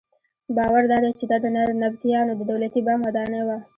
باور دادی چې دا د نبطیانو د دولتي بانک ودانۍ وه.